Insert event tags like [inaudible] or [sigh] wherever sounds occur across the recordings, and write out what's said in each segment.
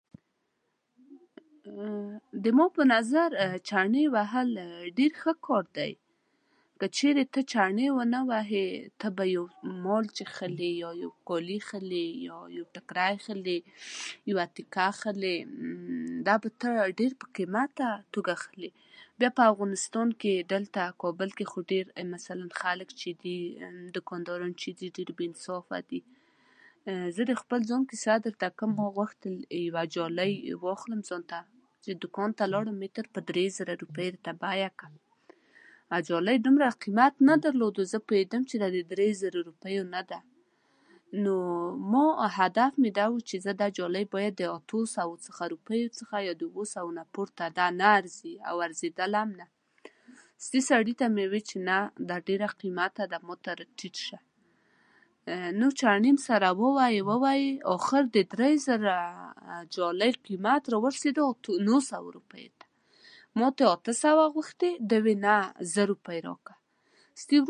[hesitation] زما په نظر چنې وهل ډېر ښه کار دی. که چېرې ته چنې ونه وهې، ته یو مال چې اخلې، کالي چې اخلې، یا یو ټیکری اخلې، یا یوه ټوټه اخلې، [hesitation] دا به ته په ډېر قیمته توګه اخلې. بیا په افغانستان کې، دلته کابل کې خو ډېر مثلاً خلک چې دي، دوکانداران خلک چې دي، ډېر بې انصافه دي. زه خپل ځان کیسه درته کوم. ما غوښتل یوه جالۍ واخلم ځان ته. دوکان ته لاړم، متر په درې زره روپۍ یې راته بیه کړه. هغه جالۍ دومره قیمت نه درلود. زه پوهېدم چې دا د درې زره روپیو نه ده، نو ما هدف مې دا و چې دا جالۍ له اتو سوو روپیو څخه، دوو سوو نه دا نه ارزي او ارزېدله هم نه زیاتې. سړي ته مې وویل چې نه، دا ډېره قیمته ده، ماته راټیټ شه. نورې چنې مو سره ووهلې، ووهلې، او اخر د درې زره جالۍ قیمت راورسېدلو نهه سوه روپیو ته. ما ترې اته سوه غوښتې ده. وویل نه، زر افغانۍ راکړه. اخر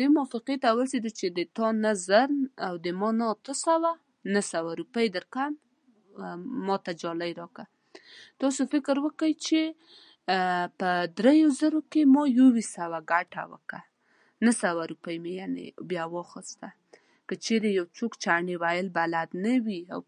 دې موافقې ته ورسېدو چې د تا نه زر او د ما نه اته سوه، نهه سوه روپۍ درکوم، ماته جالۍ راکړه. تاسو فکر وکړئ چې په درې زرو کې ما یوویشت سوه ګټه وکړه. نهه سوه روپۍ مې یعنې واخیسته. که چېرې یو څوک چنې وهل بلد نه وي، او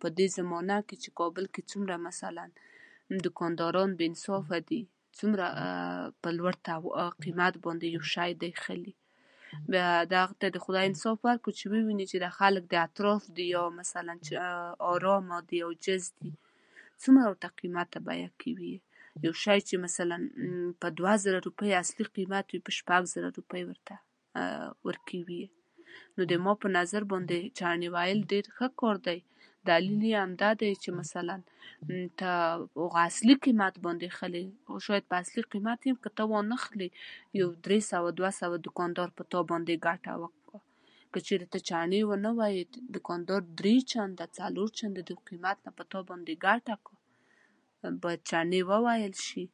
په دې زمانه کې چې کابل کې مثلاً دوکانداران بې انصافه دي، څومره [hesitation] په لوړ قیمت باندې یو شی دوی اخلي، بیا دغه ته دې خدای انصاف ورکړي چې و دې ویني چې دا خلک د اطراف دي، ارامه دي، عاجز دي، څومره ورته قیمته بیه کوي. یو شی چې مثلاً په دوه زره یې اصلي قیمت وي، په شپږ زره روپۍ یې ورکوي یې. نو زما په نظر باندې چنې وهل ډېر ښه کار دی. دلیل یې همدا دی چې مثلاً ته هغه اصلي قیمت باندې اخلې، او شاید که اصلي قیمت باندې یې هم ته وانه اخلې، یو درې سوه، دوه سوه دوکاندار په تا باندې ګټه وکړي. که چېرې ته چنې ونه وهې، دوکاندار درې چنده، څلور چنده، پنځه چنده په تا باندې ګټه کوي. باید چنې ووهل شي.